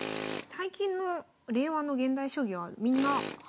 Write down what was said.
最近の令和の現代将棋はみんな８割方